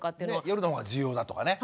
夜の方が重要だとかね。